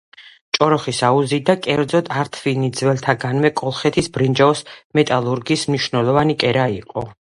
ჭოროხის აუზი და, კერძოდ, ართვინი ძველთაგანვე კოლხეთის ბრინჯაოს მეტალურგიის მნიშვნელოვანი კერა იყო.